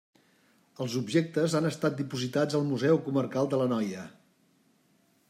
Els objectes han estat dipositats al Museu Comarcal de l'Anoia.